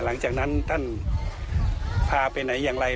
หลังจากนั้นท่านพาไปไหนอย่างไร